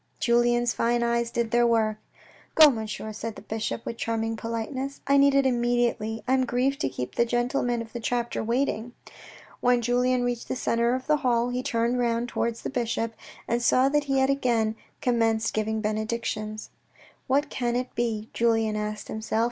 Julien's fine eyes did their work. " Go, Monsieur," answered the bishop, with charming polite ness. " I need it immediately. I am grieved to keep the gentlemen of the chapter waiting." When Julien reached the centre of the hall, he turned round towards the bishop, and saw that he had again com menced giving benedictions. " What can it be ?" Julien asked himself.